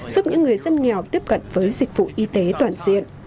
giúp những người dân nghèo tiếp cận với dịch vụ y tế toàn diện